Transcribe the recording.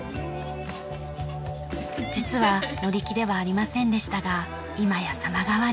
実は乗り気ではありませんでしたが今や様変わり。